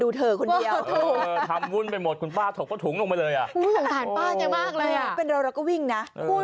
เดี๋ยวเราก็วิ่งนะ